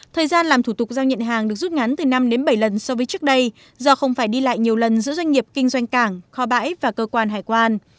thời gian làm thủ tục giao nhận hàng được rút ngắn từ năm đến bảy lần so với trước đây do không phải đi lại nhiều lần giữa doanh nghiệp kinh doanh cảng kho bãi và cơ quan hải quan